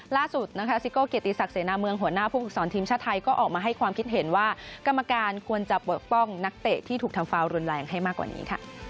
ล่าสุดนะคะซิโก้เกียรติศักดิเสนาเมืองหัวหน้าผู้ฝึกสอนทีมชาติไทยก็ออกมาให้ความคิดเห็นว่ากรรมการควรจะปกป้องนักเตะที่ถูกทำฟาวรุนแรงให้มากกว่านี้ค่ะ